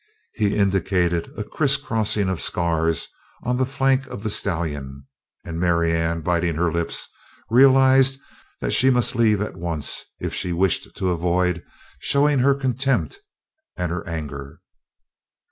He indicated a criss crossing of scars on the flank of the stallion and Marianne, biting her lips, realized that she must leave at once if she wished to avoid showing her contempt, and her anger.